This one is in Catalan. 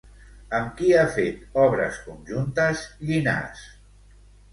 Amb qui ha fet obres conjuntes Llinàs?